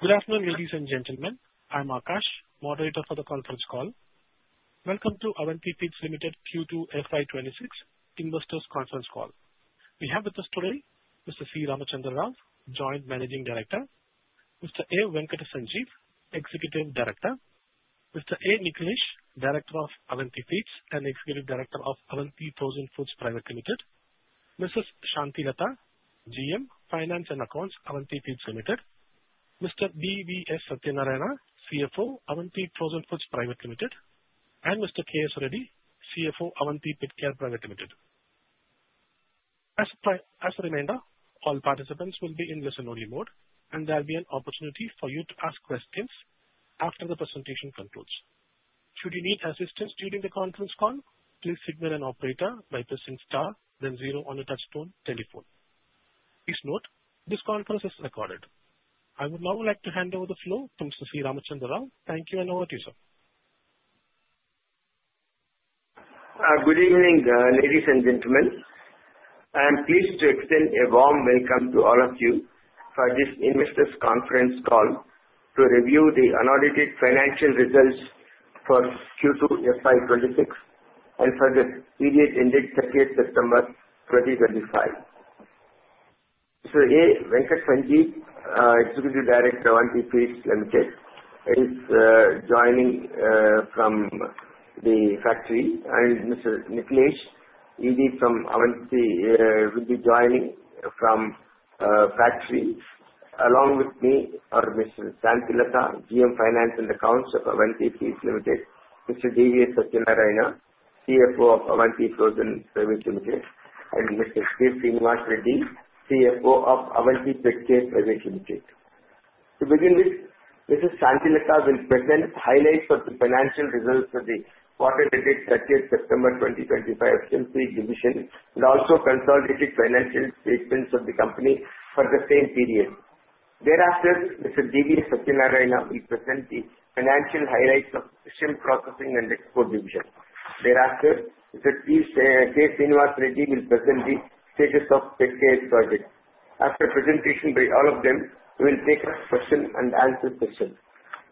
Good afternoon, ladies and gentlemen. I'm Akash, moderator for the conference call. Welcome to Avanti Feeds Limited Q2 FY26 Investors Conference Call. We have with us today Mr. C. Ramachandra Rao, Joint Managing Director, Mr. A. Venkata Sanjeev, Executive Director, Mr. A. Nikhilesh, Director of Avanti Feeds and Executive Director of Avanti Frozen Foods Private Limited, Mrs. Shanthi Latha, GM, Finance and Accounts of Avanti Feeds Limited, Mr. D. V. S. Satyanarayana, CFO of Avanti Frozen Foods Private Limited, and Mr. K. S. Reddy, CFO of Avanti Pet Care Private Limited. As a reminder, all participants will be in listen-only mode, and there will be an opportunity for you to ask questions after the presentation concludes. Should you need assistance during the conference call, please signal an operator by pressing star, then zero on a touch-tone telephone. Please note, this conference is recorded. I would now like to hand over the floor to Mr. C. Ramachandra Rao. Thank you and over to you, sir. Good evening, ladies and gentlemen. I am pleased to extend a warm welcome to all of you for this Investors Conference Call to review the Audited Financial Results for Q2 FY26 and for the period ended September 2025. Mr. A. Venkata Sanjeev, Executive Director of Avanti Feeds Limited, is joining from the factory, and Mr. A. Nikhilesh, ED from Avanti, will be joining from the factory. Along with me are Mr. C. Shanthi Latha, GM, Finance and Accounts of Avanti Feeds Limited; Mr. D. V. S. Satyanarayana, CFO of Avanti Frozen Foods Private Limited; and Mr. K. Srinivas Reddy, CFO of Avanti Pet Care Private Limited. To begin with, Mrs. C. Shanthi Latha will present highlights of the financial results of the quarter ended September 2025, Shrimp Feed Division and also consolidated financial statements of the company for the same period. Thereafter, Mr. D. V. S. Satyanarayana will present the financial highlights of Shrimp Processing and Export Division. Thereafter, Mr. K. Srinivas Reddy will present the status of the Petcare project. After presentation by all of them, we will take a question-and-answer session.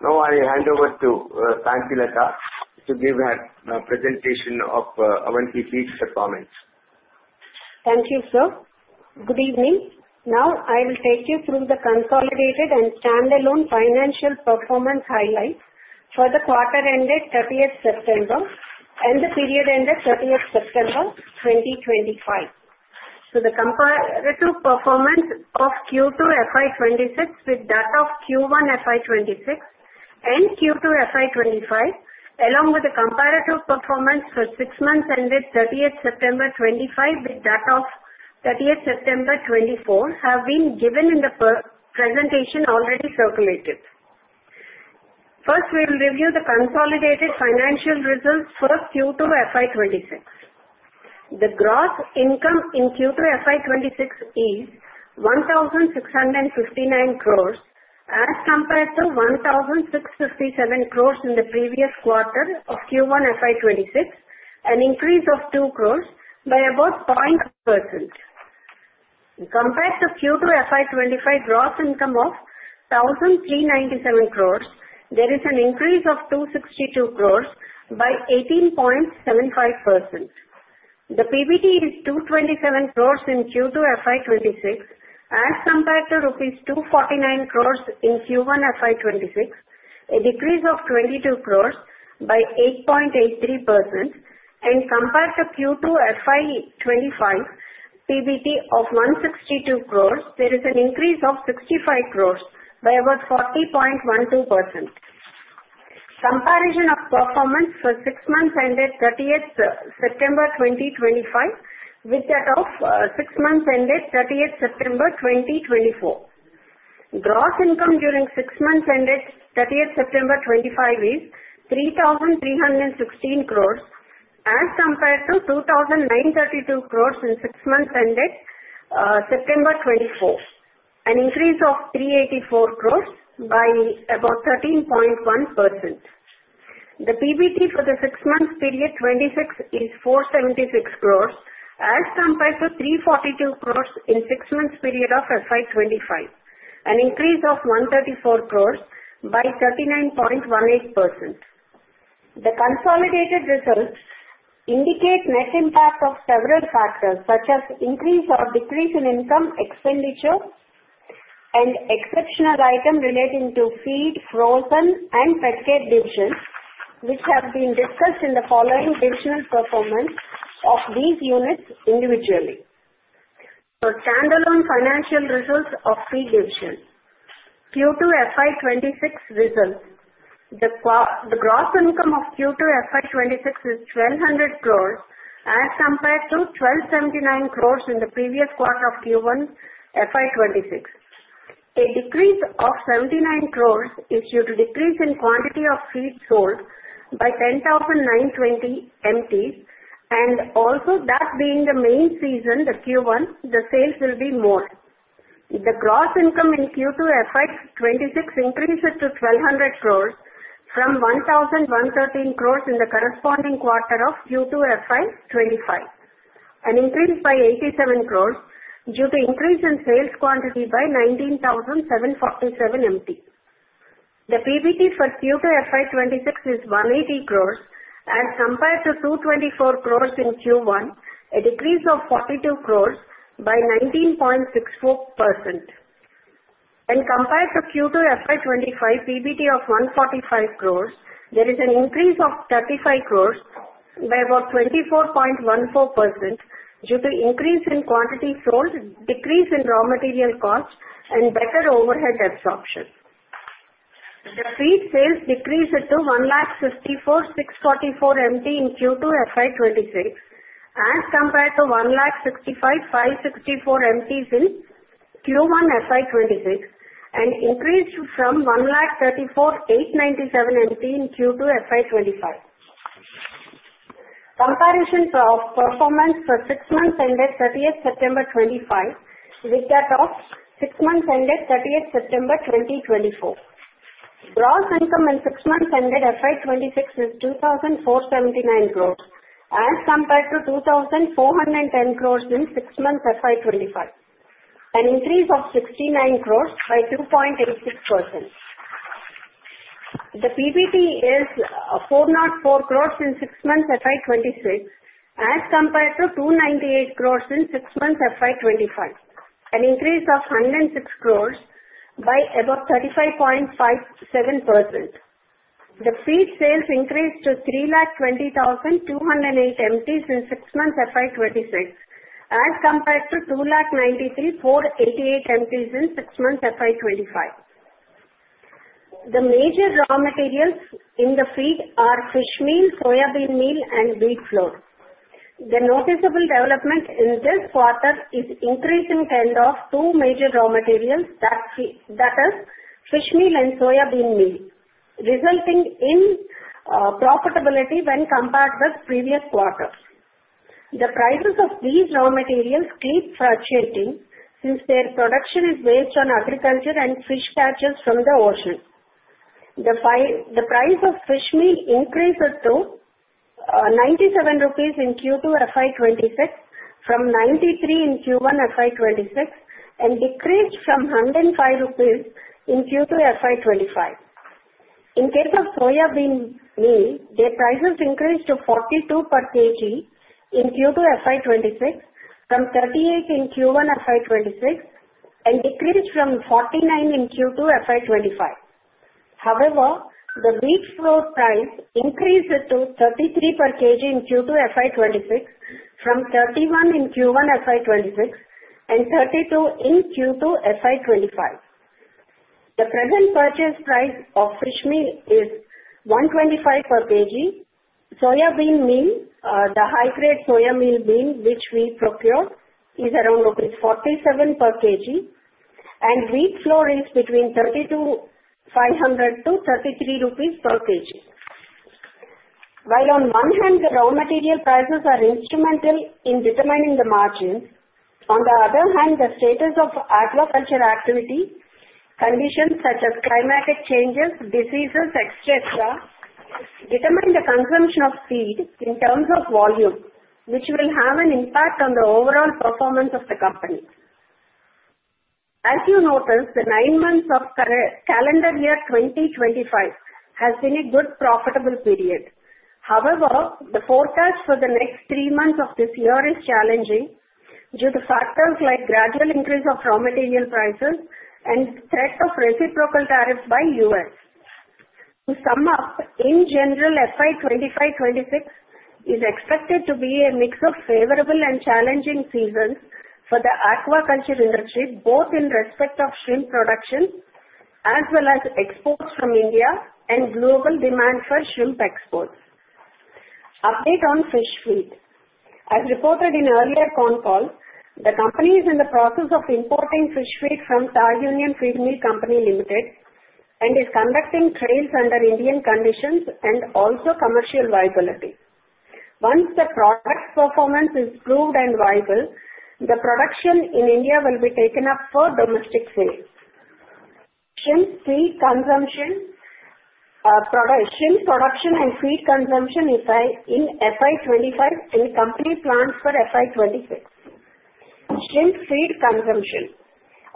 Now, I hand over to Shanthi Latha to give her presentation of Avanti Feeds performance. Thank you, sir. Good evening. Now, I will take you through the consolidated and standalone financial performance highlights for the quarter ended September 30th and the period ended September 30th, 2025. The comparative performance of Q2 FY26 with that of Q1 FY26 and Q2 FY25, along with the comparative performance for six months ended September 30th, 2025 with that of September 30th, 2024, have been given in the presentation already circulated. First, we will review the consolidated financial results for Q2 FY26. The gross income in Q2 FY26 is 1,659 crores as compared to 1,657 crores in the previous quarter of Q1 FY26, an increase of 2 crores by about 0.2%. Compared to Q2 FY25, gross income of 1,397 crores, there is an increase of 262 crores by 18.75%. The PBT is 227 crores in Q2 FY26 as compared to rupees 249 crores in Q1 FY26, a decrease of 22 crores by 8.83%. And compared to Q2 FY25, PBT of 162 crores, there is an increase of 65 crores by about 40.12%. Comparison of performance for six months ended September 30th, 2025 with that of six months ended September 30th, 2024. Gross income during six months ended September 30th, 2025 is 3,316 crores as compared to 2,932 crores in six months ended September 2024, an increase of 384 crores by about 13.1%. The PBT for the six-month period 26 is 476 crores as compared to 342 crores in six-month period of FY25, an increase of 134 crores by 39.18%. The consolidated results indicate net impact of several factors such as increase or decrease in income expenditure and exceptional item relating to feed, frozen, and petcare division, which have been discussed in the following divisional performance of these units individually. So, standalone financial results of feed division. Q2 FY26 results, the gross income of Q2 FY26 is 1,200 crores as compared to 1,279 crores in the previous quarter of Q1 FY26. A decrease of 79 crores is due to a decrease in quantity of feed sold by 10,920 MT, and also that being the main season, the Q1, the sales will be more. The gross income in Q2 FY26 increases to 1,200 crores from 1,113 crores in the corresponding quarter of Q2 FY25, an increase by 87 crores due to an increase in sales quantity by 19,747 MT. The PBT for Q2 FY26 is 180 crores as compared to 224 crores in Q1, a decrease of 42 crores by 19.64%. And compared to Q2 FY25, PBT of 145 crores, there is an increase of 35 crores by about 24.14% due to an increase in quantity sold, a decrease in raw material costs, and better overhead absorption. The feed sales decreased to 154,644 MT in Q2 FY26 as compared to 165,564 MT in Q1 FY26 and increased from 134,897 MT in Q2 FY25. Comparison of performance for six months ended September 30th, 2025 with that of six months ended September 30th, 2024. Gross income in six months ended FY26 is 2,479 crores as compared to 2,410 crores in six months FY25, an increase of 69 crores by 2.86%. The PBT is 404 crores in six months FY26 as compared to INR 298 crores in six months FY25, an increase of 106 crores by about 35.57%. The feed sales increased to 320,208 MT in six months FY26 as compared to 293,488 MT in six months FY25. The major raw materials in the feed are fish meal, soybean meal, and wheat flour. The noticeable development in this quarter is an increase in the kind of two major raw materials, that is, fish meal and soybean meal, resulting in profitability when compared with the previous quarter. The prices of these raw materials keep fluctuating since their production is based on agriculture and fish catches from the ocean. The price of fish meal increased to ₹97 in Q2 FY26 from ₹93 lakh in Q1 FY26 and decreased from ₹105 lakh in Q2 FY25. In case of soybean meal, their prices increased to 42 per kg in Q2 FY26 from 38 in Q1 FY26 and decreased from 49 in Q2 FY25. However, the wheat flour price increased to 33 per kg in Q2 FY26 from 31 in Q1 FY26 and 32 in Q2 FY25. The present purchase price of fish meal is 125 per kg. Soybean meal, the high-grade soybean meal which we procured, is around rupees 47 per kg, and wheat flour is between 32,500 to 33 rupees per kg. While on one hand, the raw material prices are instrumental in determining the margins, on the other hand, the status of agriculture activity, conditions such as climatic changes, diseases, etc., determine the consumption of feed in terms of volume, which will have an impact on the overall performance of the company. As you noticed, the nine months of calendar year 2025 has been a good profitable period. However, the forecast for the next three months of this year is challenging due to factors like the gradual increase of raw material prices and the threat of reciprocal tariffs by the U.S. To sum up, in general, FY 2025-26 is expected to be a mix of favorable and challenging seasons for the aquaculture industry, both in respect of shrimp production as well as exports from India and global demand for shrimp exports. Update on fish feed. As reported in earlier phone call, the company is in the process of importing fish feed from Thai Union Feedmill Public Company Limited and is conducting trials under Indian conditions and also commercial viability. Once the product performance is proved and viable, the production in India will be taken up for domestic sales. Shrimp feed consumption, production, and feed consumption in FY25 and complete plans for FY26. Shrimp feed consumption.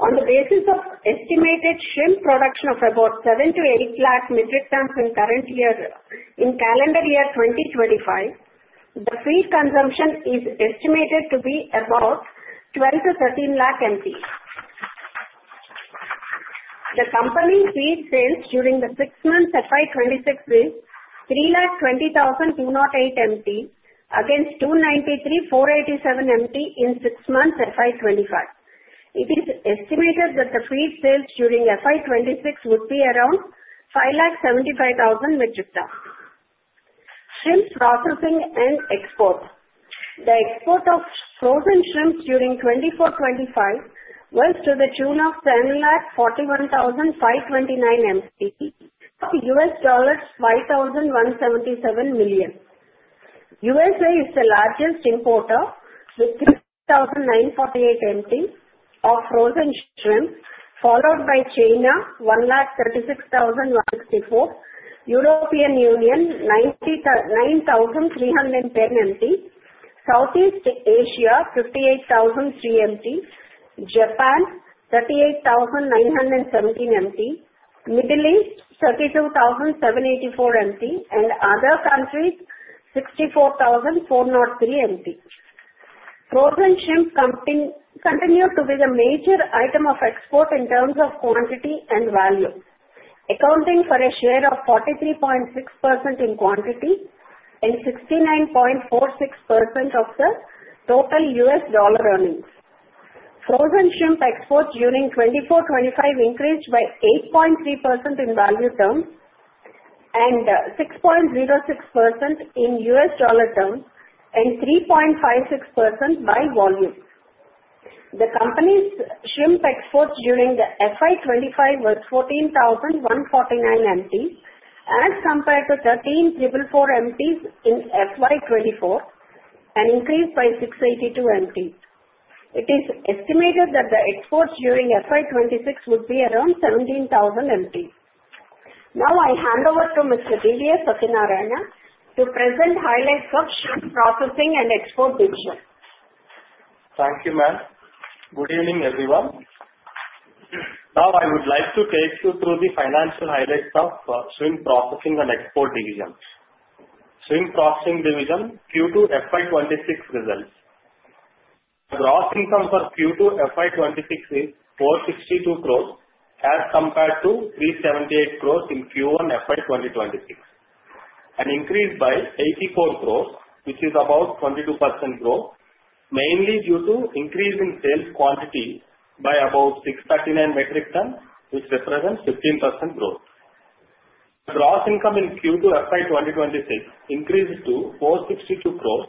On the basis of estimated shrimp production of about ₹7 lakh-₹8 lakh metric tons in calendar year 2025, the feed consumption is estimated to be about ₹12 lakh-₹13 lakh MT. The company's feed sales during the six months FY26 is 320,208 MT against 293,487 MT in six months FY25. It is estimated that the feed sales during FY26 would be around 575,000 metric tons. Shrimp processing and export. The export of frozen shrimps during 24-25 was to the tune of 1,041,529 MT, $5,177 million. USA is the largest importer with 3,948 MT of frozen shrimp, followed by China 136,164 MT, European Union 9,310 MT, Southeast Asia 58,003 MT, Japan 38,917 MT, Middle East 32,784 MT, and other countries 64,403 MT. Frozen shrimp continue to be the major item of export in terms of quantity and value, accounting for a share of 43.6% in quantity and 69.46% of the total US dollar earnings. Frozen shrimp exports during 24-25 increased by 8.3% in value terms and 6.06% in US dollar terms and 3.56% by volume. The company's shrimp exports during the FY25 was 14,149 MT as compared to 13,444 MT in FY24 and increased by 682 MT. It is estimated that the exports during FY26 would be around 17,000 MT. Now, I hand over to Mr. D. V. S. Satyanarayana to present highlights of shrimp processing and export division. Thank you, ma'am. Good evening, everyone. Now, I would like to take you through the financial highlights of shrimp processing and export division. Shrimp processing division Q2 FY26 results. The gross income for Q2 FY26 is 462 crores as compared to 378 crores in Q1 FY26, an increase by 84 crores, which is about 22% growth, mainly due to an increase in sales quantity by about 639 metric tons, which represents 15% growth. The gross income in Q2 FY26 increased to 462 crores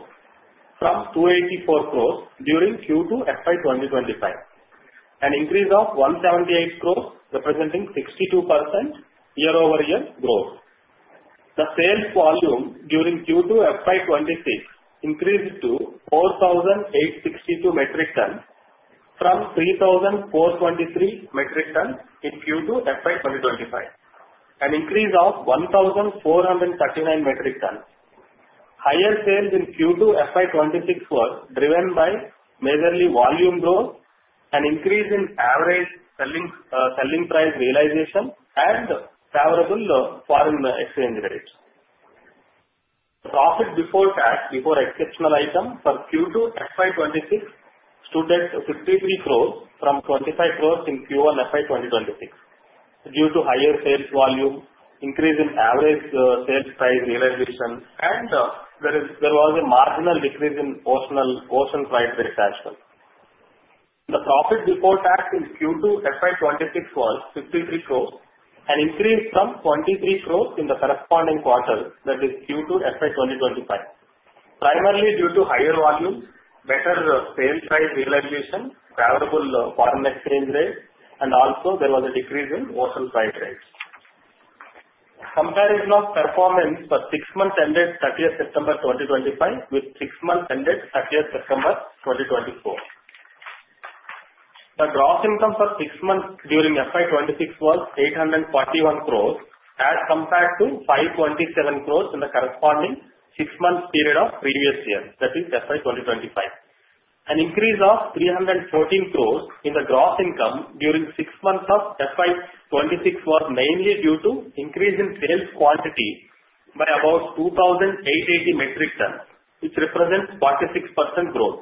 from 284 crores during Q2 FY25, an increase of 178 crores, representing 62% year-over-year growth. The sales volume during Q2 FY26 increased to 4,862 metric tons from 3,423 metric tons in Q2 FY25, an increase of 1,439 metric tons. Higher sales in Q2 FY26 were driven by majorly volume growth, an increase in average selling price realization, and favorable foreign exchange rates. Profit before tax, before exceptional item for Q2 FY26 stood at 53 crores from 25 crores in Q1 FY26 due to higher sales volume, increase in average sales price realization, and there was a marginal decrease in ocean freight rate actually. The profit before tax in Q2 FY26 was 53 crores, an increase from 23 crores in the corresponding quarter, that is Q2 FY25, primarily due to higher volume, better sales price realization, favorable foreign exchange rate, and also there was a decrease in ocean freight rate. Comparison of performance for six months ended September 2025 with six months ended September 2024. The gross income for six months during FY26 was 841 crores as compared to 527 crores in the corresponding six-month period of previous year, that is FY25. An increase of 314 crores in the gross income during six months of FY26 was mainly due to an increase in sales quantity by about 2,880 metric tons, which represents 46% growth.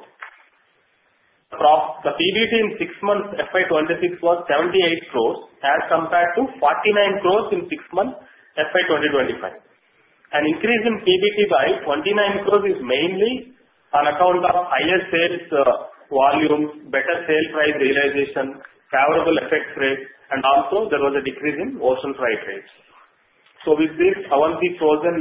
The PBT in six months FY26 was 78 crores as compared to 49 crores in six months FY2025. An increase in PBT by 29 crores is mainly on account of higher sales volume, better sales price realization, favorable forex rates, and also there was a decrease in ocean freight rates. So with this, Avanti Feeds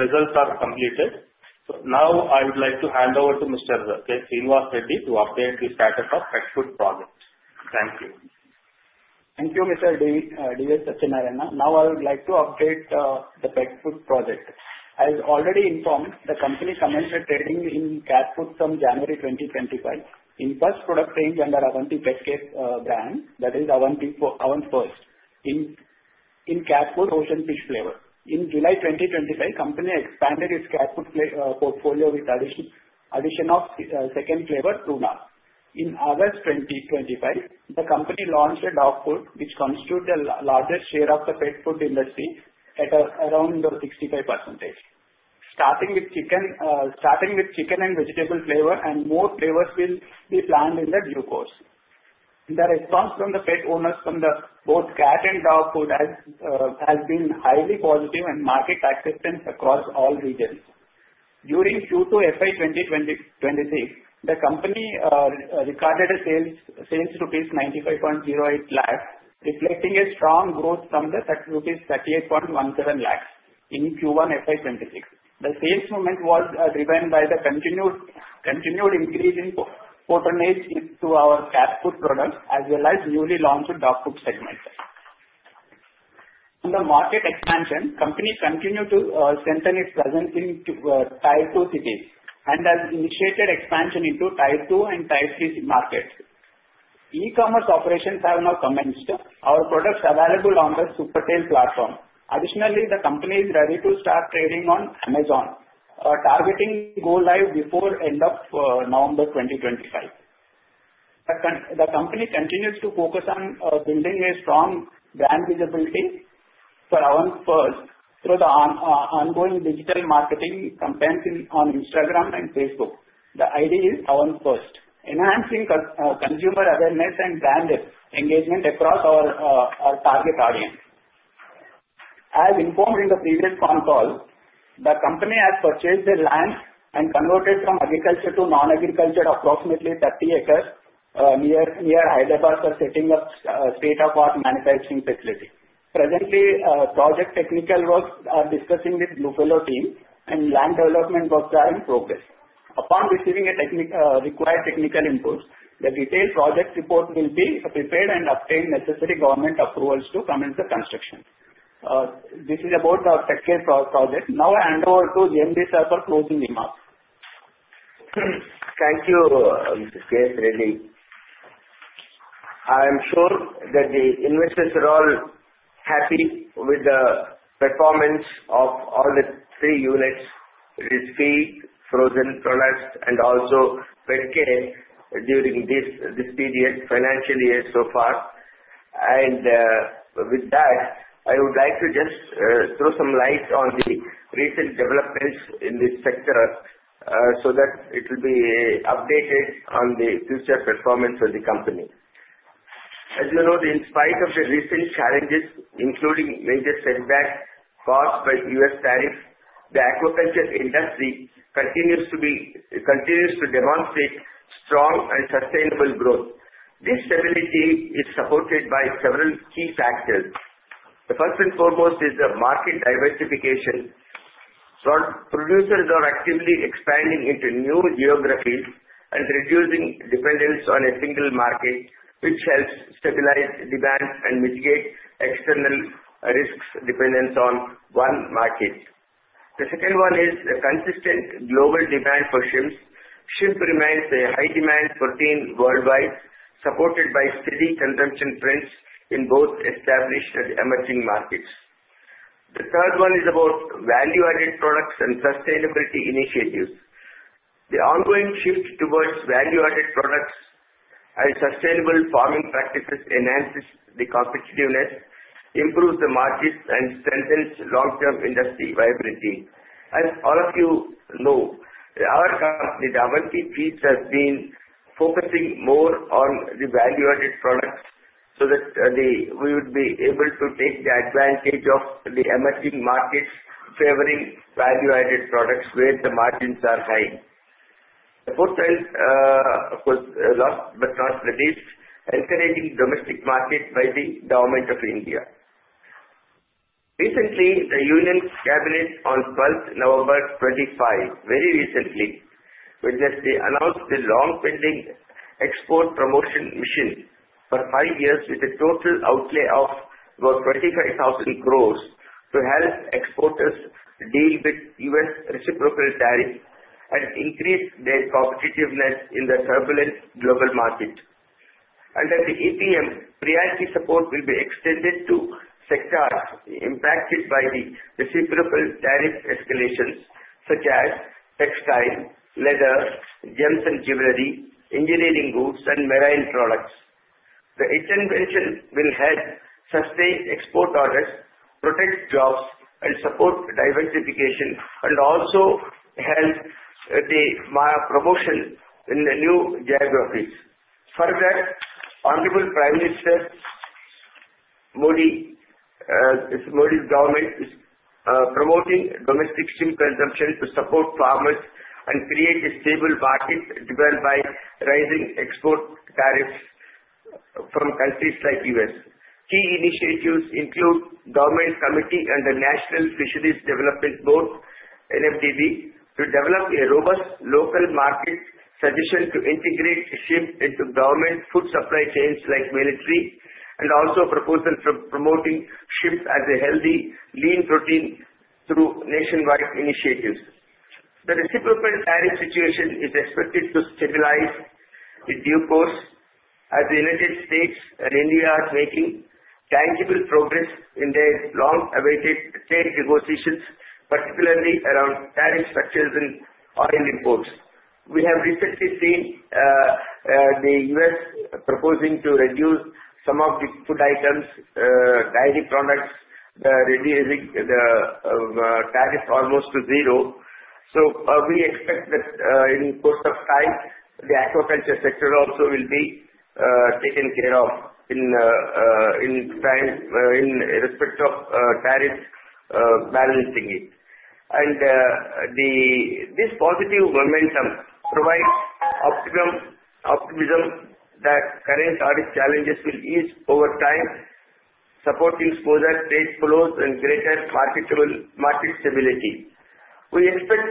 results are completed. So now, I would like to hand over to Mr. Srinivas Reddy to update the status of the pet food project. Thank you. Thank you, Mr. D. V. S. Satyanarayana. Now, I would like to update the pet food project. As already informed, the company commenced trading in cat food from January 2025. In first product range under Avanti Petcare brand, that is Avanti First, in cat food, Ocean Fish Flavor. In July 2025, the company expanded its cat food portfolio with the addition of the second flavor, Tuna. In August 2025, the company launched a dog food, which constitutes the largest share of the pet food industry at around 65%. Starting with Chicken and Vegetable Flavor, and more flavors will be planned in the due course. The response from the pet owners from both cat and dog food has been highly positive and market acceptance across all regions. During Q2 FY2026, the company recorded sales of ₹95.08 lakh, reflecting a strong growth from ₹38.17 lakh in Q1 FY2026. The sales movement was driven by the continued increase in penetration to our cat food products as well as the newly launched dog food segment. In the market expansion, the company continued to strengthen its presence in Tier 2 cities and has initiated expansion into Tier 2 and Tier 3 markets. E-commerce operations have now commenced. Our products are available on the Supertails platform. Additionally, the company is ready to start trading on Amazon, targeting go live before the end of November 2025. The company continues to focus on building a strong brand visibility for Avanti First through the ongoing digital marketing campaigns on Instagram and Facebook. The idea is Avanti First, enhancing consumer awareness and brand engagement across our target audience. As informed in the previous phone call, the company has purchased land and converted from agriculture to non-agriculture, approximately 30 acres near Hyderabad, for setting up a state-of-the-art manufacturing facility. Presently, project technical work is discussed with the Blue Fellow team, and land development works are in progress. Upon receiving the required technical inputs, the detailed project report will be prepared and obtain necessary government approvals to commence the construction. This is about the Petcare project. Now, I hand over to JMD Sir for closing remarks. Thank you, Mr. D. V. S. Satyanarayana. I am sure that the investors are all happy with the performance of all the three units, which is feed, frozen products, and also Petcare during this period, financial year so far. And with that, I would like to just throw some light on the recent developments in this sector so that it will be updated on the future performance of the company. As you know, in spite of the recent challenges, including major setbacks caused by U.S. tariffs, the aquaculture industry continues to demonstrate strong and sustainable growth. This stability is supported by several key factors. The first and foremost is the market diversification. Producers are actively expanding into new geographies and reducing dependence on a single market, which helps stabilize demand and mitigate external risks dependent on one market. The second one is the consistent global demand for shrimp. Shrimp remains a high-demand protein worldwide, supported by steady consumption trends in both established and emerging markets. The third one is about value-added products and sustainability initiatives. The ongoing shift towards value-added products and sustainable farming practices enhances the competitiveness, improves the markets, and strengthens long-term industry viability. As all of you know, our company, Avanti Feeds, has been focusing more on the value-added products so that we would be able to take the advantage of the emerging markets favoring value-added products where the margins are high. The fourth one was lost but not reduced, encouraging domestic markets by the government of India. Recently, the Union Cabinet on 12 November 2025, very recently, announced the long-pending Export Promotion Mission for five years with a total outlay of about 25,000 crores to help exporters deal with US reciprocal tariffs and increase their competitiveness in the turbulent global market. Under the EPM, priority support will be extended to sectors impacted by the reciprocal tariff escalations, such as textile, leather, gems and jewelry, engineering goods, and marine products. The intervention will help sustain export orders, protect jobs, and support diversification, and also help the promotion in the new geographies. Further, Honorable Prime Minister Modi's government is promoting domestic shrimp consumption to support farmers and create a stable market driven by rising export tariffs from countries like the US. Key initiatives include the government committee and the National Fisheries Development Board, NFDB, to develop a robust local market suggestion to integrate shrimp into government food supply chains like military, and also a proposal for promoting shrimp as a healthy, lean protein through nationwide initiatives. The reciprocal tariff situation is expected to stabilize in due course as the United States and India are making tangible progress in their long-awaited trade negotiations, particularly around tariff structures and oil imports. We have recently seen the U.S. proposing to reduce some of the food items, dairy products, reducing the tariff almost to zero, so we expect that in the course of time, the aquaculture sector also will be taken care of in respect of tariff balancing it, and this positive momentum provides optimism that current ADD challenges will ease over time, supporting smoother trade flows and greater market stability. We expect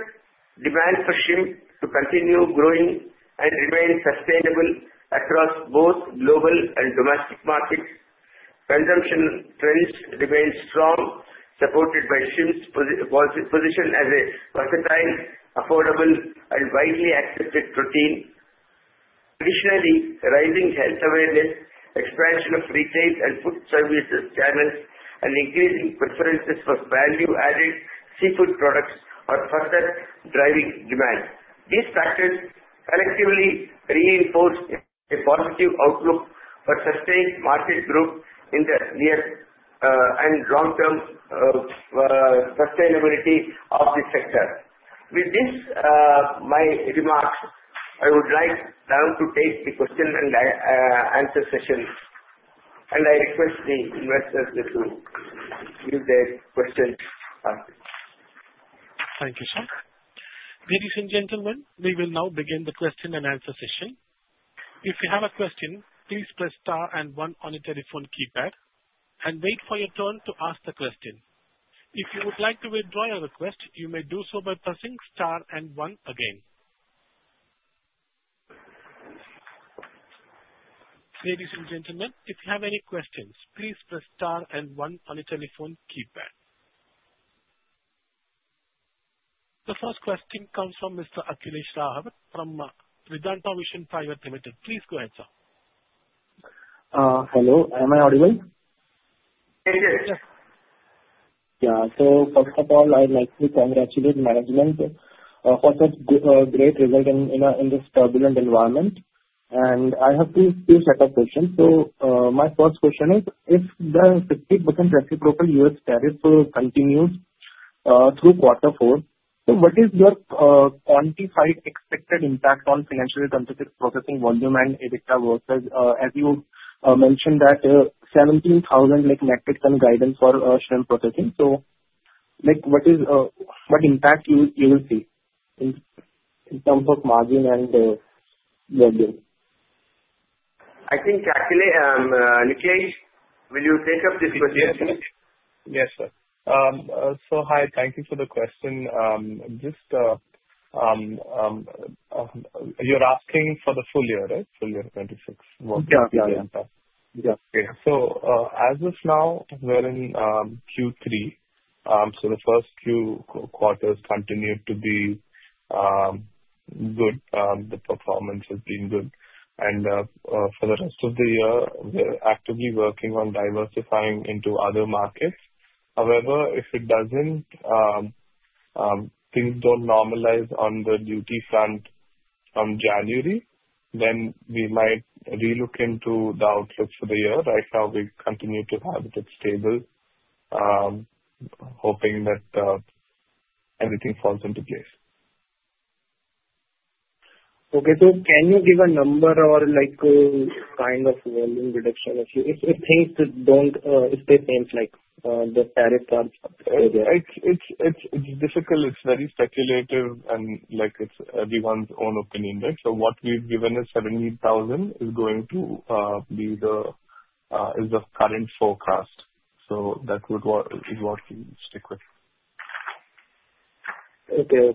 demand for shrimp to continue growing and remain sustainable across both global and domestic markets. Consumption trends remain strong, supported by shrimp's position as a versatile, affordable, and widely accepted protein. Additionally, rising health awareness, expansion of retail and food services channels, and increasing preferences for value-added seafood products are further driving demand. These factors collectively reinforce a positive outlook for sustained market growth in the near and long-term sustainability of the sector. With this, my remarks. I would like now to take the question and answer session, and I request the investors to give their questions. Thank you, sir. Ladies and gentlemen, we will now begin the question and answer session. If you have a question, please press star and one on the telephone keypad and wait for your turn to ask the question. If you would like to withdraw your request, you may do so by pressing star and one again. Ladies and gentlemen, if you have any questions, please press star and one on the telephone keypad. The first question comes from Mr. Akhilesh Rao from Vedanta Vision Private Limited. Please go ahead, sir. Hello. Am I audible? Yes. Yeah. So first of all, I'd like to congratulate the management for such a great result in this turbulent environment. And I have two set of questions. So my first question is, if the 50% reciprocal U.S. tariff continues through Q4, so what is your quantified expected impact on financial complex processing volume and EBITDA versus, as you mentioned, that 17,000 MT guidance for shrimp processing? So what impact you will see in terms of margin and volume? I think, Akhilesh, Nikhilesh, will you take up this question? Yes, sir. So hi, thank you for the question. You're asking for the full year, right? Full year 2026? Yeah. Okay, so as of now, we're in Q3, so the first few quarters continued to be good. The performance has been good, and for the rest of the year, we're actively working on diversifying into other markets. However, if it doesn't, things don't normalize on the duty front from January, then we might relook into the outlook for the year. Right now, we continue to have it stable, hoping that everything falls into place. Okay. So can you give a number or kind of volume reduction? If things don't stay the same, like the tariffs are? It's difficult. It's very speculative, and it's everyone's own opinion. So what we've given is 70,000 is going to be the current forecast. So that is what we stick with. Okay,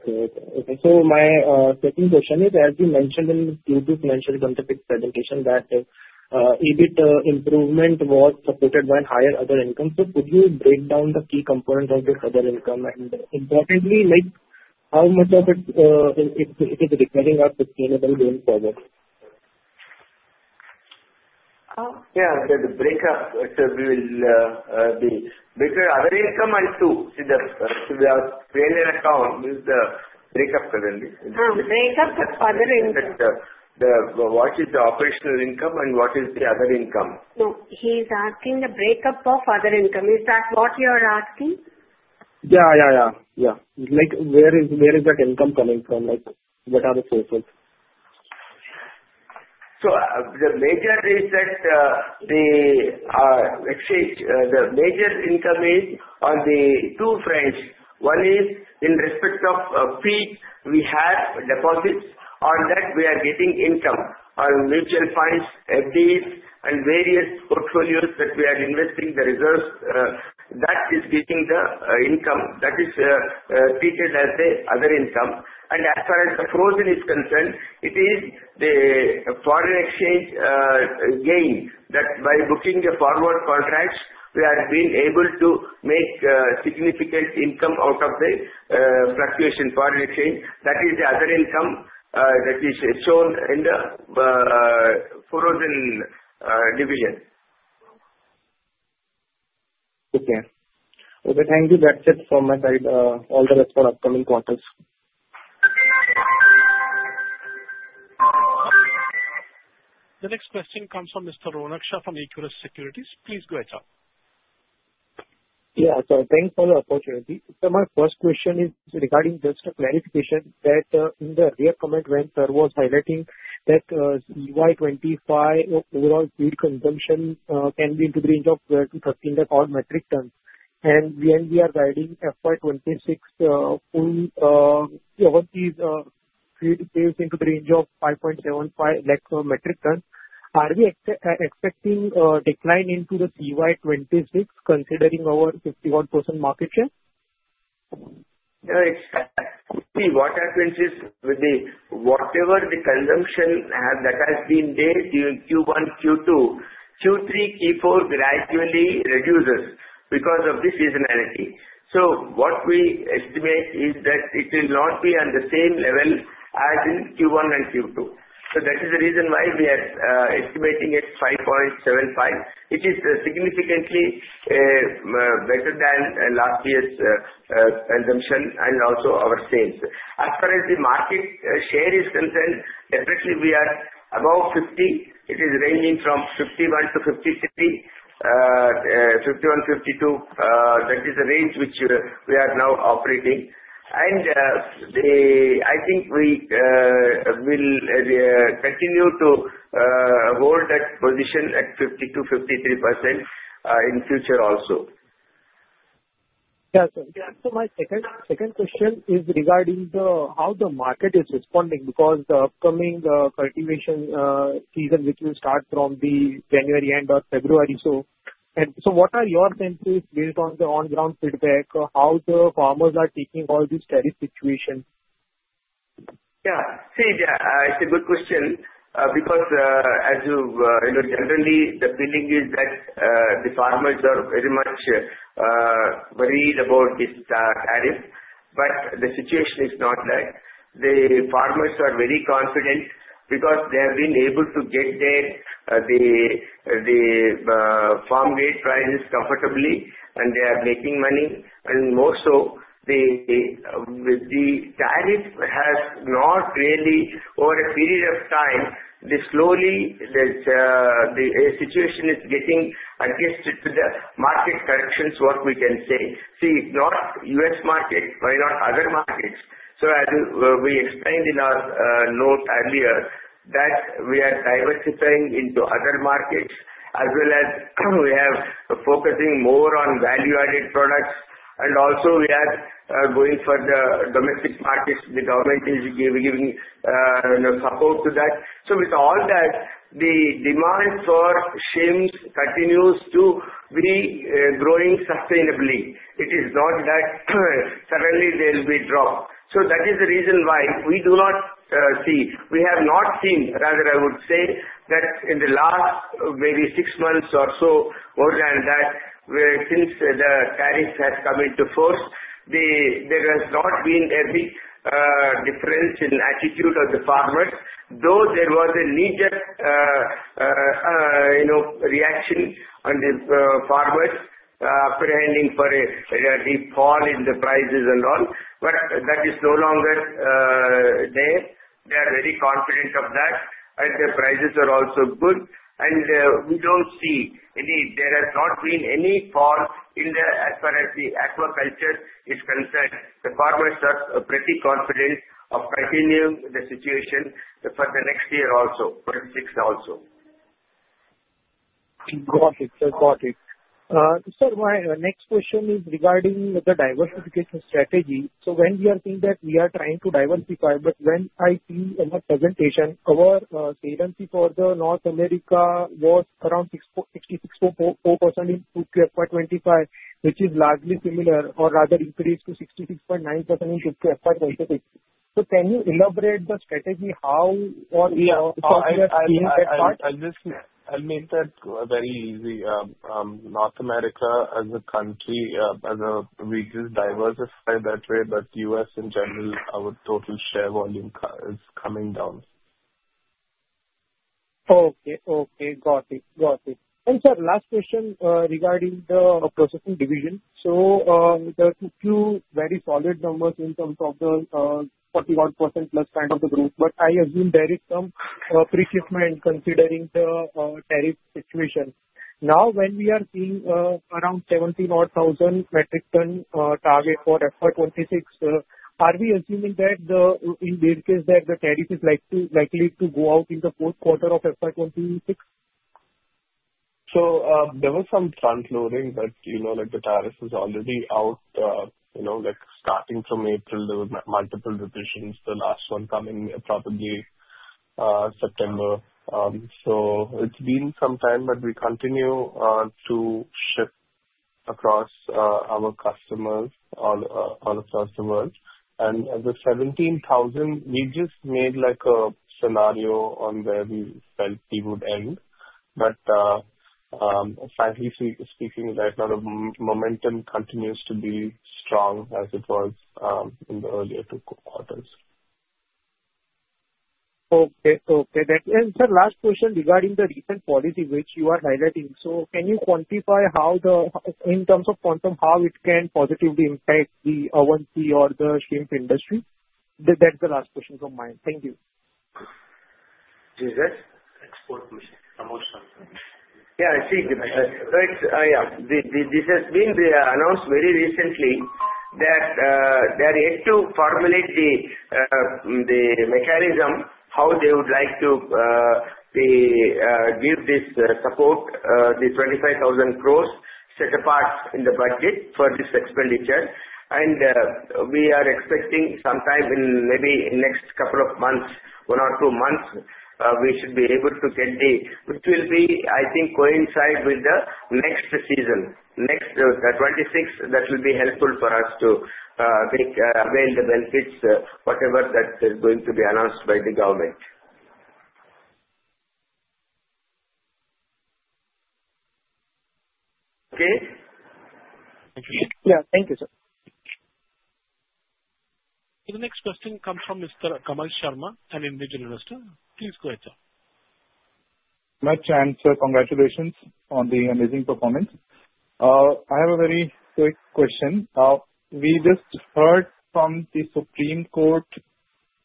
so my second question is, as you mentioned in the Q2 financials presentation, that EBITDA improvement was supported by higher other income. So could you break down the key components of this other income? And importantly, how much of it is indicative of sustainability going forward? Yeah. The break-up, so we will be breaking other income into two. So we are following up with the break-up currently. Break-up of other income. What is the operational income and what is the other income? No, he's asking the breakup of other income. Is that what you're asking? Where is that income coming from? What are the sources? So the major income is on the two fronts. One is in respect of fees. We have deposits on that. We are getting income on mutual funds, FDs, and various portfolios that we are investing the reserves. That is getting the income. That is treated as the other income. And as far as the frozen is concerned, it is the foreign exchange gain that by booking the forward contracts, we have been able to make significant income out of the fluctuation foreign exchange. That is the other income that is shown in the frozen division. Okay. Okay. Thank you. That's it for my side. All the best for upcoming quarters. The next question comes from Mr. Ronak Shah from Equirus Securities. Please go ahead, sir. Yeah. So thanks for the opportunity. So my first question is regarding just a clarification that in the earlier comment, when sir was highlighting that FY25 overall feed consumption can be in the range of ₹12 lakh-₹13 lakh metric tons. And when we are guiding FY26, what is feed sales into the range of ₹5.75 lakh metric tons, are we expecting a decline in CY26 considering our 51% market share? Yeah. See, what happens is with the whatever the consumption that has been there during Q1, Q2, Q3, Q4 gradually reduces because of this seasonality. So what we estimate is that it will not be on the same level as in Q1 and Q2. So that is the reason why we are estimating at 5.75. It is significantly better than last year's consumption and also our sales. As far as the market share is concerned, definitely we are above 50. It is ranging from 51 to 53, 51, 52. That is the range which we are now operating, and I think we will continue to hold that position at 52%-53% in future also. Yes. So my second question is regarding how the market is responding, because the upcoming cultivation season, which will start from the end of January to February. So what are your senses based on the on-ground feedback, how the farmers are taking all these tariff situations? Yeah. See, it's a good question because as you generally, the feeling is that the farmers are very much worried about this tariff. But the situation is not like that. The farmers are very confident because they have been able to get their farm gate prices comfortably, and they are making money. And more so, the tariff has not really over a period of time, slowly the situation is getting adjusted to the market corrections, what we can say. See, not U.S. market, why not other markets? So as we explained in our note earlier, that we are diversifying into other markets as well as we are focusing more on value-added products. And also, we are going for the domestic markets. The government is giving support to that. So with all that, the demand for shrimp continues to be growing sustainably. It is not that suddenly there will be a drop. So that is the reason why we do not see we have not seen, rather I would say, that in the last maybe six months or so, more than that, since the tariff has come into force, there has not been a big difference in attitude of the farmers. Though there was a knee-jerk reaction on the farmers apprehending for a deep fall in the prices and all, but that is no longer there. They are very confident of that, and the prices are also good. We don't see any; there has not been any fall in the as far as the aquaculture is concerned. The farmers are pretty confident of continuing the situation for the next year also, for the sixth also. Got it. Got it. Sir, my next question is regarding the diversification strategy. So when we are seeing that we are trying to diversify, but when I see in the presentation, our saliency for the North America was around 66.4% in Q2 FY25, which is largely similar or rather increased to 66.9% in Q2 FY26. So can you elaborate the strategy how or in that part? Yeah. I'll make that very easy. North America as a country, as a region, diversified that way, but U.S. in general, our total share volume is coming down. Okay. Okay. Got it. Got it. And sir, last question regarding the processing division. So there are two very solid numbers in terms of the 41% plus kind of the growth, but I assume there is some appreciation when considering the tariff situation. Now, when we are seeing around 17,000 metric tons target for FY26, are we assuming that in this case, that the tariff is likely to go out in the fourth quarter of FY26? So there was some front loading, but the tariff is already out starting from April, multiple revisions, the last one coming probably September. So it's been some time, but we continue to ship across our customers all across the world. And the 17,000, we just made a scenario on where we felt we would end. But frankly speaking, right now, the momentum continues to be strong as it was in the earlier two quarters. Okay. Okay. And sir, last question regarding the recent policy which you are highlighting. So can you quantify how, in terms of quantum, how it can positively impact the Avanti or the shrimp industry? That's the last question from me. Thank you. This is export commission. Yeah. I think, right, yeah, this has been announced very recently that they are yet to formulate the mechanism how they would like to give this support, the 25,000 crore set apart in the budget for this expenditure. We are expecting sometime in maybe next couple of months, one or two months, we should be able to get the which will be, I think, coincide with the next season, 2026. That will be helpful for us to take away the benefits, whatever that is going to be announced by the government. Okay? Yeah. Thank you, sir. The next question comes from Mr. Kamal Sharma, an individual investor. Please go ahead, sir. Much, and sir, congratulations on the amazing performance. I have a very quick question. We just heard from the Supreme Court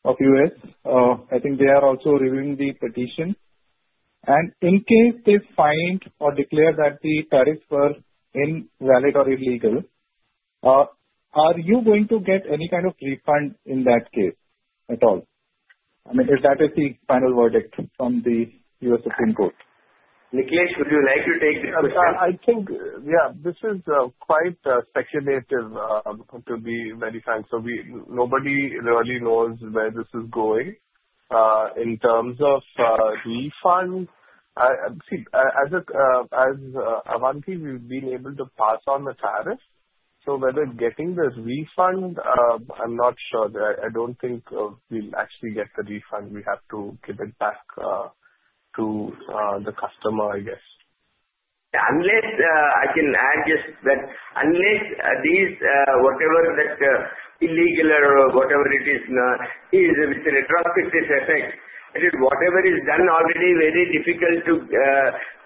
of the U.S. I think they are also reviewing the petition. And in case they find or declare that the tariffs were invalid or illegal, are you going to get any kind of refund in that case at all? I mean, is that the final verdict from the U.S. Supreme Court? Nikhil, would you like to take this question? I think, yeah, this is quite speculative to be very frank. So nobody really knows where this is going. In terms of refund, see, as an Avanti, we've been able to pass on the tariff. So whether getting the refund, I'm not sure. I don't think we'll actually get the refund. We have to give it back to the customer, I guess. Yeah. Unless I can add just that unless these, whatever that illegal or whatever it is, with the retrospective effect, whatever is done already, very difficult to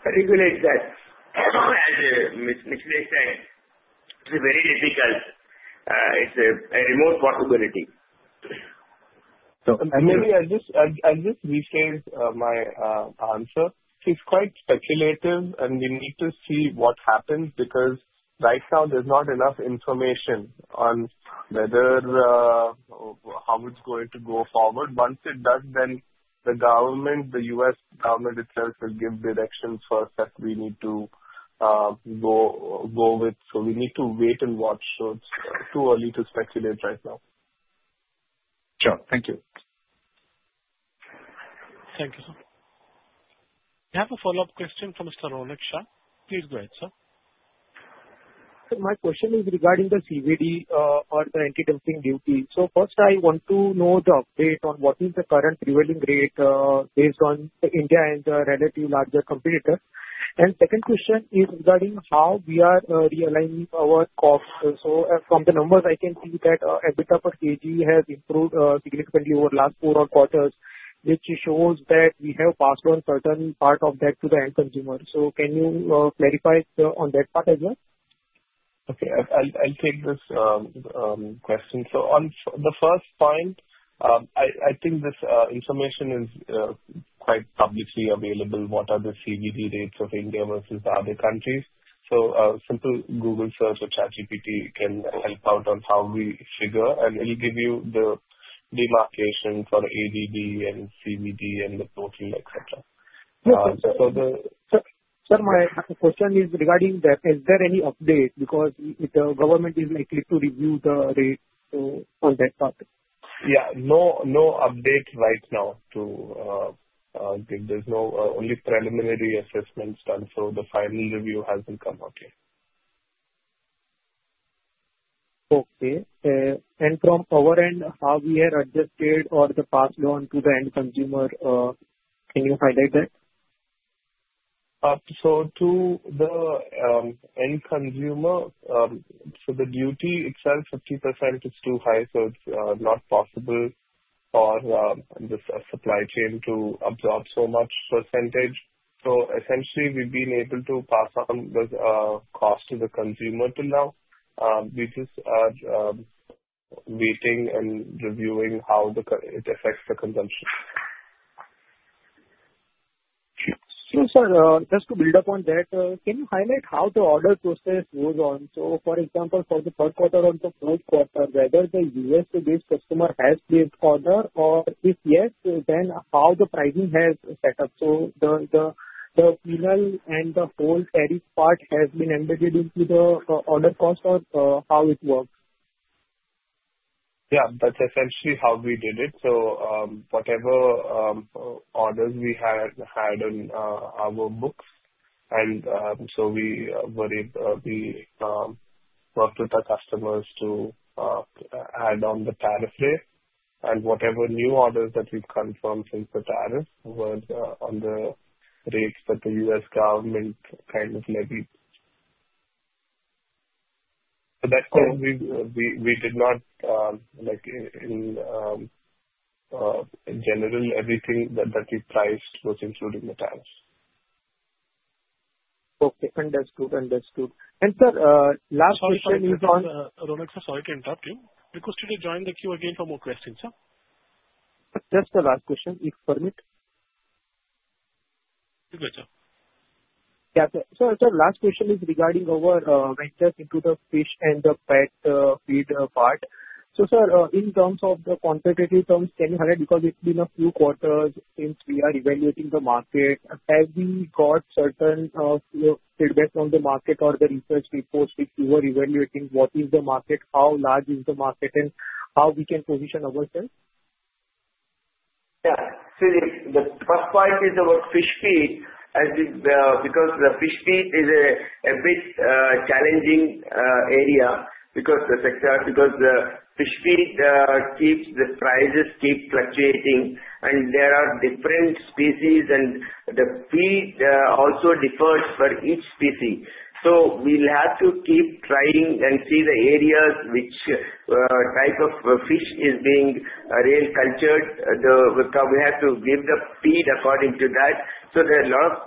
regulate that. As Nikhilesh said, it's very difficult. It's a remote possibility. So maybe I'll just restate my answer. It's quite speculative, and we need to see what happens because right now, there's not enough information on how it's going to go forward. Once it does, then the government, the U.S. government itself, will give directions first that we need to go with. So we need to wait and watch. So it's too early to speculate right now. Sure. Thank you. Thank you, sir. We have a follow-up question from Mr. Ronak Shah. Please go ahead, sir. My question is regarding the CVD or the anti-dumping duty. So first, I want to know the update on what is the current prevailing rate based on India and the relatively larger competitors? And second question is regarding how we are realigning our costs. So from the numbers, I can see that EBITDA per kg has improved significantly over the last four quarters, which shows that we have passed on a certain part of that to the end consumer. So can you clarify on that part as well? Okay. I'll take this question. So on the first point, I think this information is quite publicly available. What are the CVD rates of India versus other countries? So a simple Google search or ChatGPT can help out on how we figure, and it'll give you the demarcation for ADD and CVD and the total, etc. Yeah. So, sir, my question is regarding that, is there any update because the government is likely to review the rate on that part? Yeah. No update right now to give. There's only preliminary assessments done. So the final review hasn't come out yet. Okay. From our end, how we are adjusted or the passed on to the end consumer, can you highlight that? So to the end consumer, so the duty itself, 50% is too high. So it's not possible for the supply chain to absorb so much percentage. So essentially, we've been able to pass on the cost to the consumer till now. We just are waiting and reviewing how it affects the consumption. So, sir, just to build upon that, can you highlight how the order process goes on? So for example, for the third quarter or the fourth quarter, whether the U.S.-based customer has placed order or if yes, then how the pricing has set up? So the final and the whole tariff part has been embedded into the order cost or how it works? Yeah. That's essentially how we did it. So whatever orders we had on our books, and so we worked with our customers to add on the tariff rate. And whatever new orders that we've confirmed since the tariff were on the rates that the U.S. government kind of levied. So that's why we did not, in general, everything that we priced was including the tariffs. Okay. Understood. Understood, and sir, last question is on. Sorry, Ronak Shah, sorry to interrupt you. Requested to join the queue again for more questions, sir? Just the last question, if you permit. You can go ahead, sir. Yeah. So, sir, last question is regarding our ventures into the fish and the pet feed part. So, sir, in terms of the quantitative terms, can you highlight because it's been a few quarters since we are evaluating the market? Have we got certain feedback from the market or the research reports which you were evaluating what is the market, how large is the market, and how we can position ourselves? Yeah. See, the first part is about fish feed because the fish feed is a bit challenging area because the fish feed keeps the prices keep fluctuating, and there are different species, and the feed also differs for each species. So we'll have to keep trying and see the areas which type of fish is being really cultured. We have to give the feed according to that. So there are a lot of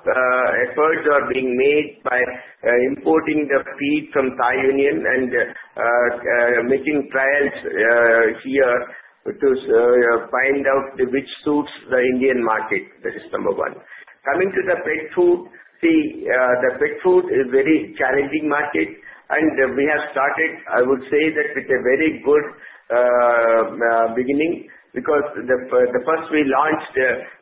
efforts that are being made by importing the feed from Thai Union and making trials here to find out which suits the Indian market. That is number one. Coming to the pet food, see, the pet food is a very challenging market, and we have started, I would say, that with a very good beginning because the first we launched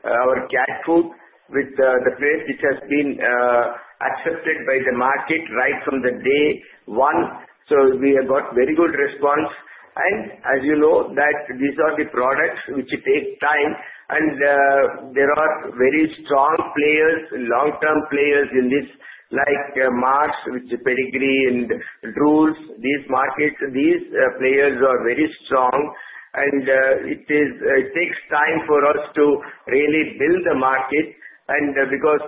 our cat food with the rate which has been accepted by the market right from day one. So we got very good response. And as you know, these are the products which take time, and there are very strong players, long-term players in this like Mars, which is Pedigree and Royal Canin. These markets, these players are very strong, and it takes time for us to really build the market because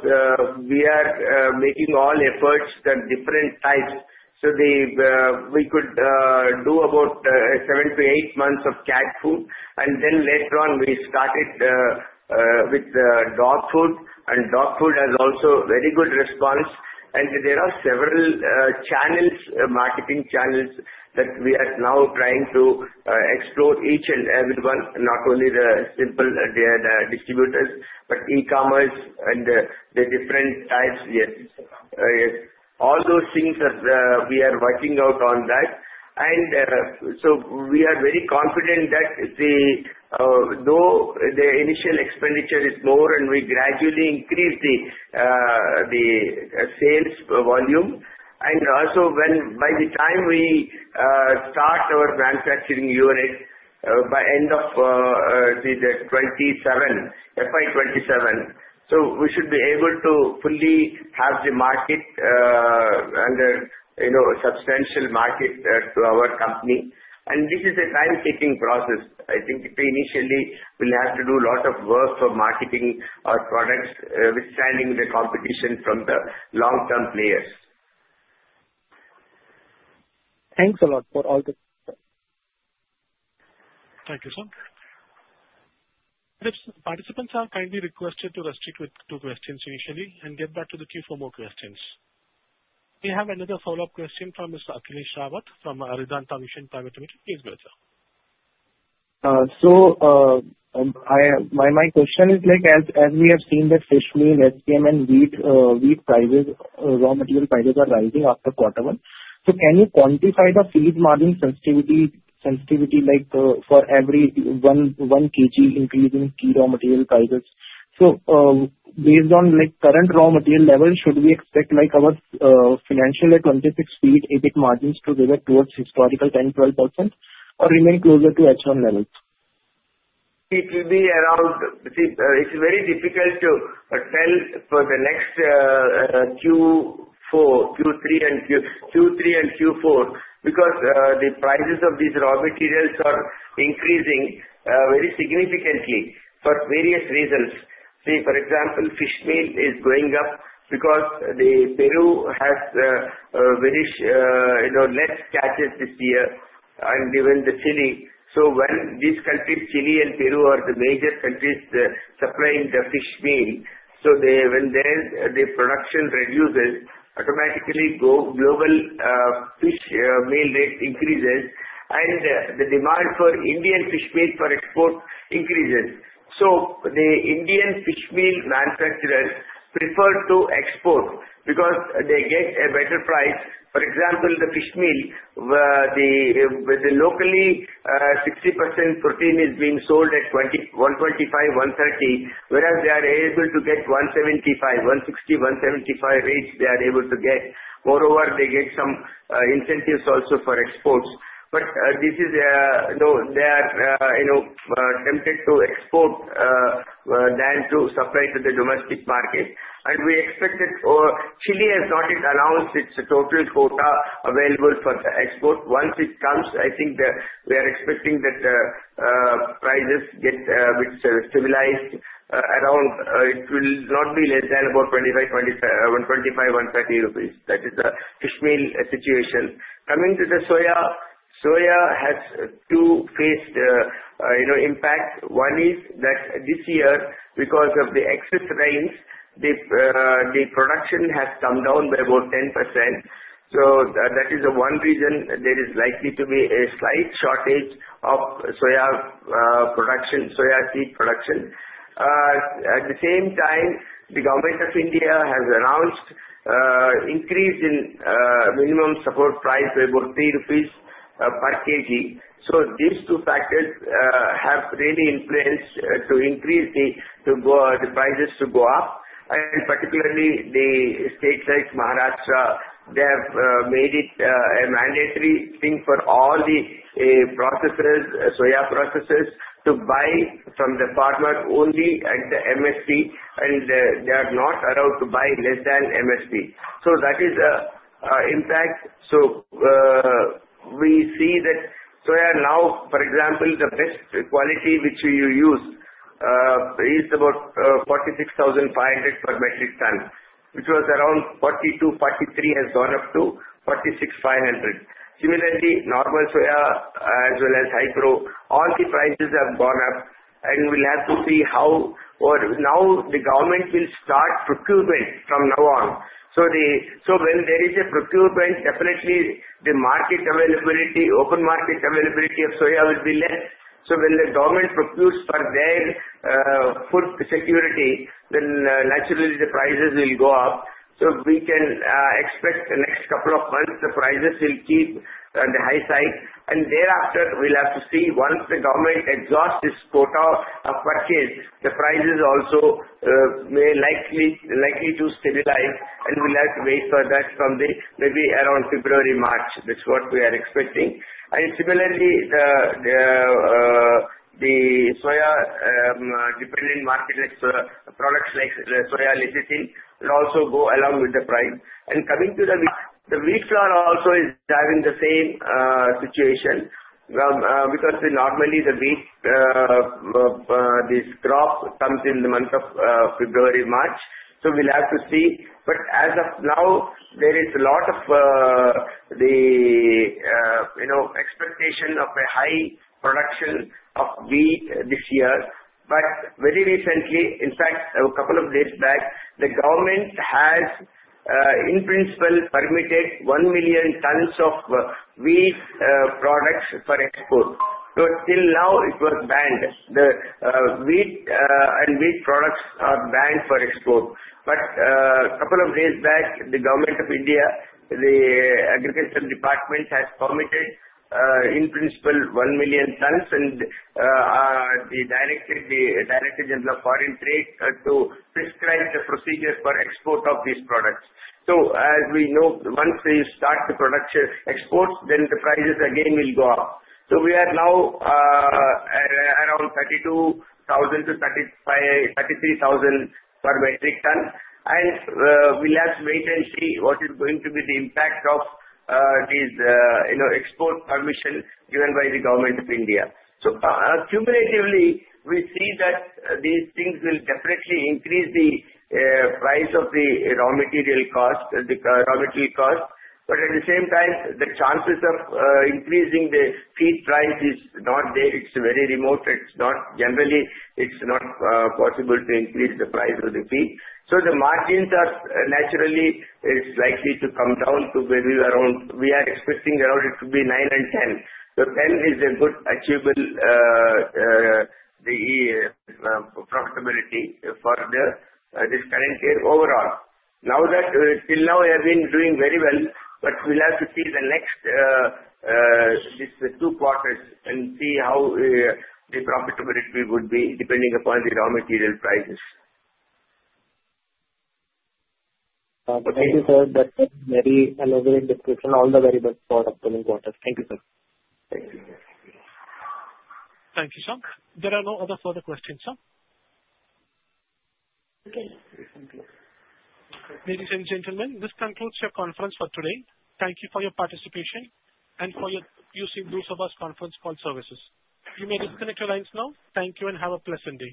we are making all efforts that different types. So we could do about seven to eight months of cat food, and then later on, we started with dog food, and dog food has also very good response. And there are several channels, marketing channels that we are now trying to explore each and everyone, not only the simple distributors, but e-commerce and the different types. Yes. All those things, we are working out on that. And so we are very confident that though the initial expenditure is more and we gradually increase the sales volume, and also by the time we start our manufacturing unit by end of the 2027, FY 2027, so we should be able to fully have the market and substantial market to our company. And this is a time-taking process. I think initially, we'll have to do a lot of work for marketing our products, withstanding the competition from the long-term players. Thanks a lot for all the. Thank you, sir. Participants are kindly requested to restrict with two questions initially and get back to the queue for more questions. We have another follow-up question from Mr. Akhilesh Rawat from Aridhan Foundation Private Limited. Please go ahead, sir. So my question is, as we have seen that fish meal, SBM, and wheat prices, raw material prices are rising after quarter one. So can you quantify the feed margin sensitivity for every 1 kg increasing key raw material prices? So based on current raw material level, should we expect our FY26 feed EBIT margins to revert towards historical 10%-12% or remain closer to H1 levels? It will be around. See, it's very difficult to tell for the next Q3 and Q4 because the prices of these raw materials are increasing very significantly for various reasons. See, for example, fish meal is going up because Peru has very less catches this year and even Chile. So when these countries, Chile and Peru, are the major countries supplying the fish meal, so when the production reduces, automatically global fish meal rate increases, and the demand for Indian fish meal for export increases. So the Indian fish meal manufacturers prefer to export because they get a better price. For example, the fish meal with the locally 60% protein is being sold at 125-130, whereas they are able to get 160-175 rates they are able to get. Moreover, they get some incentives also for exports. But this is no, they are tempted to export than to supply to the domestic market. And we expect that Chile has not yet announced its total quota available for the export. Once it comes, I think we are expecting that prices get stabilized around. It will not be less than about 2,513 crore rupees. That is the fish meal situation. Coming to the soya, soya has two phased impacts. One is that this year, because of the excess rains, the production has come down by about 10%. So that is the one reason there is likely to be a slight shortage of soya seed production. At the same time, the Government of India has announced an increase in minimum support price by about 3 crore rupees per kg. So these two factors have really influenced to increase the prices to go up. Particularly, the states like Maharashtra, they have made it a mandatory thing for all the processes, soya processes, to buy from the farmer only at the MSP, and they are not allowed to buy less than MSP. So that is the impact. So we see that soya now, for example, the best quality which you use is about 46,500 per metric ton, which was around 42, 43 has gone up to 46,500. Similarly, normal soya as well as high-pro, all the prices have gone up, and we'll have to see how now the government will start procurement from now on. So when there is a procurement, definitely the market availability, open market availability of soya will be less. So when the government procures for their food security, then naturally, the prices will go up. So we can expect the next couple of months, the prices will keep on the high side. And thereafter, we'll have to see once the government exhausts its quota of purchase, the prices also may likely to stabilize, and we'll have to wait for that from maybe around February, March. That's what we are expecting. And similarly, the soya-dependent market, products like Soya Lecithin will also go along with the price. And coming to the wheat flour, the wheat flour also is having the same situation because normally the wheat, this crop comes in the month of February, March. So we'll have to see. But as of now, there is a lot of the expectation of a high production of wheat this year. But very recently, in fact, a couple of days back, the government has, in principle, permitted 1 million tons of wheat products for export. But till now, it was banned. The wheat and wheat products are banned for export. But a couple of days back, the Government of India, the Agricultural Department has permitted, in principle, 1 million tons, and the Director General of Foreign Trade to prescribe the procedure for export of these products. So as we know, once you start the production exports, then the prices again will go up. So we are now around 32,000-33,000 per metric ton. And we'll have to wait and see what is going to be the impact of this export permission given by the Government of India. So cumulatively, we see that these things will definitely increase the price of the raw material cost, the raw material cost. But at the same time, the chances of increasing the feed price is not there. It's very remote. Generally, it's not possible to increase the price of the feed. So the margins are naturally, it's likely to come down to maybe around we are expecting around it to be nine and ten. So ten is a good achievable profitability for this current year overall. Now, till now, we have been doing very well, but we'll have to see the next two quarters and see how the profitability would be depending upon the raw material prices. Thank you, sir. That's a very elaborate description, all the variables for upcoming quarters. Thank you, sir. Thank you, sir. Thank you, sir. There are no other further questions, sir? Okay. Ladies and gentlemen, this concludes our conference for today. Thank you for your participation and for using the services of our conference call services. You may disconnect your lines now. Thank you and have a pleasant day.